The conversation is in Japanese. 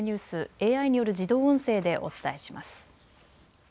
ＡＩによる自動音声でお伝えします。